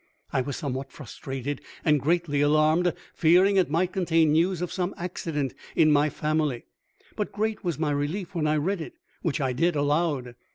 I was somewhat frustrated and greatly alarmed, fearing it might contain news of some accident in my family ; but great was my re lief when I read it, which I did aloud.